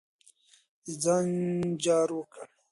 د ځان جار وکړه.